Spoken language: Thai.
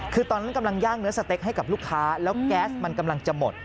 คือตอนนั้นกำลังย่างเนื้อสเต็กให้กับลูกค้าแล้วแก๊สมันกำลังจะหมด